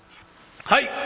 「はい！